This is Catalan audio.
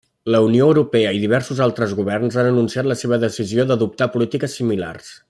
La Unió Europea i diversos altres governs han anunciat la seva decisió d'adoptar polítiques similars.